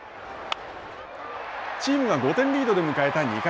チームが５点リードで迎えた２回。